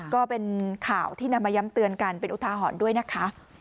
ก็เป็นข่าวที่นำมาย้ำเตือนกันเป็นอุทาหรณ์ด้วยนะคะ